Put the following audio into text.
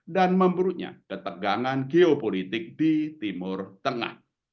dan memburuknya ketegangan geopolitik di timur tengah